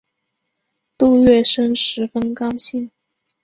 杜月笙十分高兴。